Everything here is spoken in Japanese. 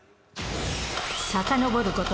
さかのぼること